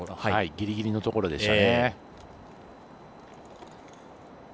ギリギリのところでした。